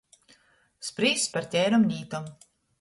Sprīsts par teirom lītom.